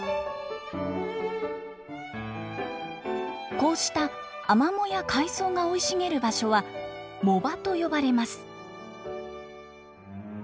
こうしたアマモや海藻が生い茂る場所は藻場と呼ばれます。